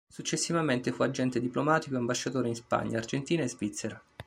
Successivamente fu agente diplomatico e ambasciatore in Spagna, Argentina e Svizzera.